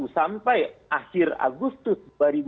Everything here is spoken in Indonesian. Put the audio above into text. sampai akhir agustus dua ribu dua puluh